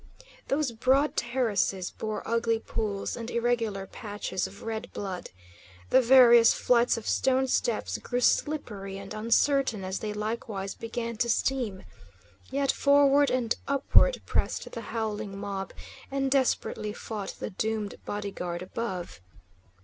Those broad terraces bore ugly pools and irregular patches of red blood. The various flights of stone steps grew slippery and uncertain as they likewise began to steam. Yet forward and upward pressed the howling mob, and desperately fought the doomed body guard above.